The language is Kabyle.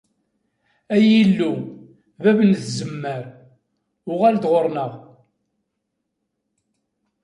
Ay Illu, bab n tzemmar, uɣal-d ɣur-neɣ!